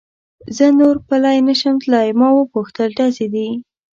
زه نور پلی نه شم تلای، ما و پوښتل: ډزې دي؟